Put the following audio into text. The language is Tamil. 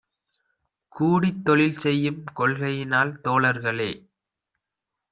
கூடித் தொழில்செய்யும் கொள்கையினால் தோழர்களே!